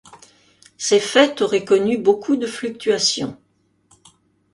Ces fêtes aurait connu beaucoup de fluctuations.